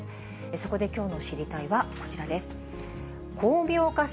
そこできょうの知りたいッ！はこちらです。